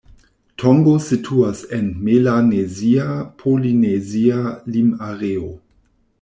Tongo situas en melanezia-polinezia lim-areo.